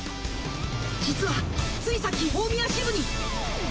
実はついさっき大宮支部に。